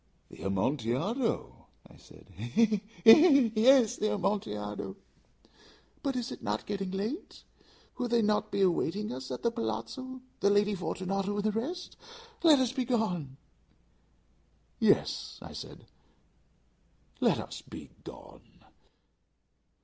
"The Amontillado!" I said. "He! he! he! he! he! he! yes, the Amontillado. But is it not getting late? Will not they be awaiting us at the palazzo, the Lady Fortunato and the rest? Let us be gone." "Yes," I said, "let us be gone."